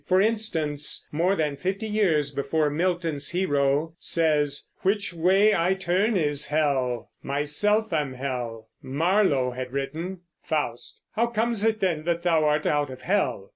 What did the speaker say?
For instance, more than fifty years before Milton's hero says, "Which way I turn is hell, myself am hell," Marlowe had written: Faust. How comes it then that thou art out of hell?